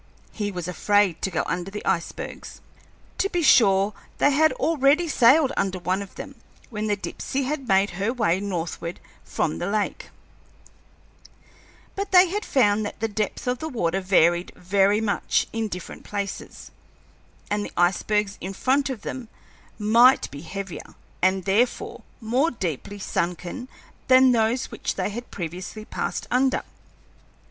He was afraid to go under the icebergs. To be sure, they had already sailed under one of them when the Dipsey had made her way northward from the lake, but they had found that the depth of water varied very much in different places, and the icebergs in front of them might be heavier, and therefore more deeply sunken, than those which they had previously passed under.